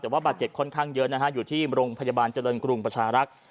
แต่ว่าบาดเจ็บค่อนข้างเยอะนะฮะอยู่ที่โรงพยาบาลเจริญกรุงประชารักษ์